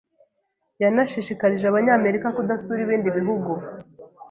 yanashishikarije Abanyamerika kudasura ibindi bihugu